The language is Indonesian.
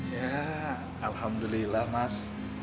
ya alhamdulillah mas